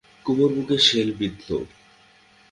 কুমুর বুকে শেল বিঁধল।